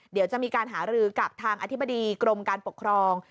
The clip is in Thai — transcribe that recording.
เดี๋ยวจะมีการหารือกับทางอธิบดีกรมการปกครอง